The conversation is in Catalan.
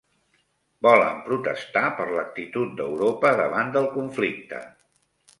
Volen protestar per l'actitud d'Europa davant del conflicte